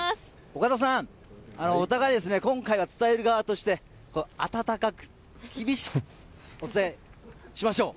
岡田さん、お互い今回は伝える側として温かく、厳しくお伝えしましょう。